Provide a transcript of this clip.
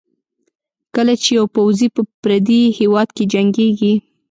کله چې یو پوځي په پردي هېواد کې جنګېږي.